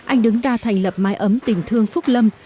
anh đứng ra thành lập máy ấm tỉnh thương phúc lâm